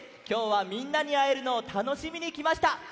きょうはみんなにあえるのをたのしみにきました！